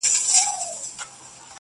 • واوری واوری شب پرستو سهرونه خبرومه,